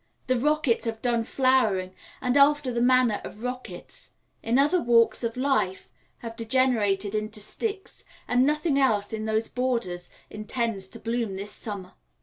The rockets have done flowering, and, after the manner of rockets: in other walks of life, have degenerated into sticks; and nothing else in those borders intends to bloom this summer.